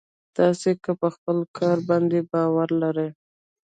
تاسې که په خپل کار باندې باور لرئ.